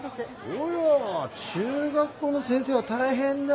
おや中学校の先生は大変だ。